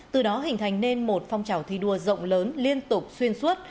từ đó hình thành nên một phong trào thi đua rộng lớn liên tục xuyên suốt